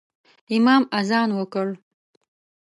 امام اذان وکړ